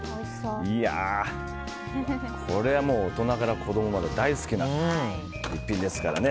これは大人から子供まで大好きな一品ですからね。